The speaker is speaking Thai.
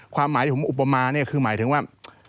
ความหมายที่ผมอุปมาเนี่ยคือหมายถึงว่า